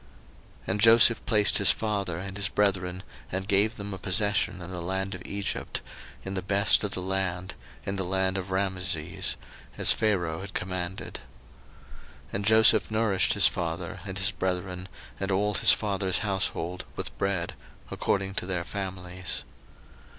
01:047:011 And Joseph placed his father and his brethren, and gave them a possession in the land of Egypt, in the best of the land, in the land of Rameses, as Pharaoh had commanded. 01:047:012 And Joseph nourished his father, and his brethren, and all his father's household, with bread, according to their families.